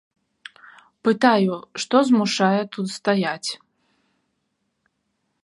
Пытаю, што змушае тут стаяць.